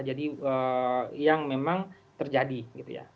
jadi yang memang terjadi gitu ya